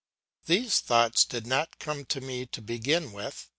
"These thoughts did not come to me to begin with.